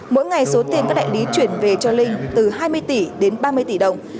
mỗi ngày số tiền các đại lý chuyển về cho linh từ hai mươi tỷ đến ba mươi tỷ đồng